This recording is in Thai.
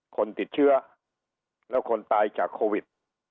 คนติดเชื้อแล้วคนตายจากโควิด